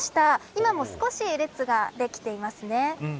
今も少し列ができていますね。